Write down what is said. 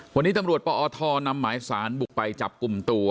วันนี้ตำรวจปอทนำหมายสารบุกไปจับกลุ่มตัว